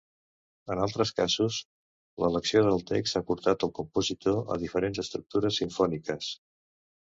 En altres casos, l'elecció del text ha portat al compositor a diferents estructures simfòniques.